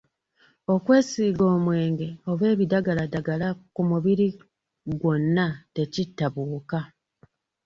Okwesiiga omwenge oba ebidagaladagala ku mubiri gwonna tekitta buwuka.